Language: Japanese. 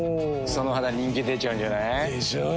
その肌人気出ちゃうんじゃない？でしょう。